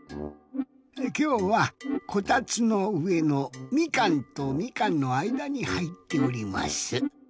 きょうはこたつのうえのみかんとみかんのあいだにはいっております。